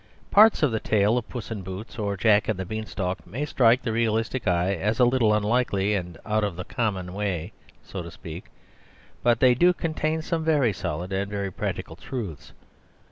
Parts of the tale of "Puss in Boots" or "Jack and the Beanstalk" may strike the realistic eye as a little unlikely and out of the common way, so to speak; but they contain some very solid and very practical truths.